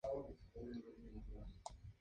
El programa no será renovado.